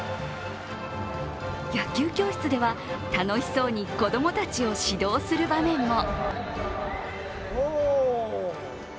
野球教室では楽しそうに子供たちを指導する場面も。